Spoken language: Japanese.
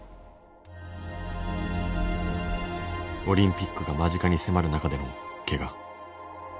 オリンピックが間近に迫る中でのけが。